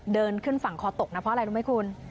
เดินขึ้นฝั่งคอตกนะเพราะอะไรรู้ไหมคุณ